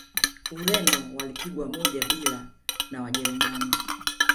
ureno walipigwa moja bila na wajerumani